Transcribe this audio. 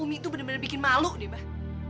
umi tuh bener bener bikin malu deh bah